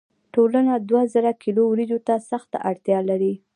ټولنه دوه زره کیلو وریجو ته سخته اړتیا لري.